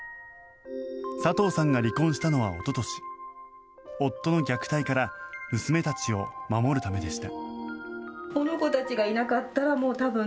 佐藤さんが離婚したのはおととし夫の虐待から娘たちを守るためでした。